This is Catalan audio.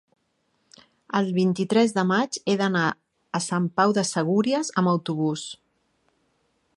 el vint-i-tres de maig he d'anar a Sant Pau de Segúries amb autobús.